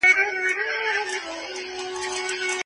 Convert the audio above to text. بزګران خپل پورونه خلاصوي.